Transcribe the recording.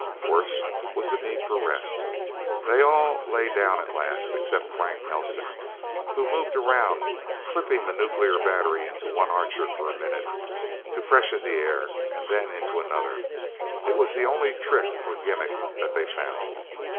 Worst was the need for rest. They all lay down at last, except Frank Nelsen, who moved around, clipping the nuclear battery into one Archer for a minute, to freshen the air, and then into another. It was the only trick or gimmick that they found.